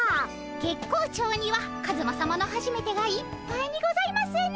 月光町にはカズマさまのはじめてがいっぱいにございますね。